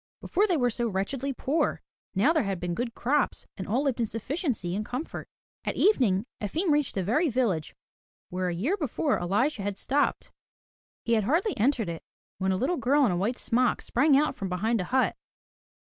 Before they were so wretchedly poor, now there had been good crops and all lived in sufficiency and comfort. At evening, Efim reached the very village where the year before Elisha had stopped. He had hardly entered it when a little girl in a white smock, sprang out from behind a hut.